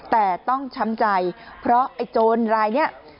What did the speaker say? แต่ต้องช้ำใจเพราะไอ้โจรรายนี้